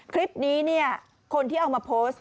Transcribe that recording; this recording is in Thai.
คลิปนี้คนที่เอามาโพสต์